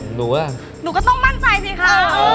หนูก็ต้องมั่นใจสิค่ะ